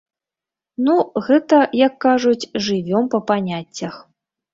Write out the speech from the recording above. Ну, гэта, як кажуць, жывём па паняццях.